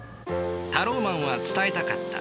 タローマンは伝えたかった。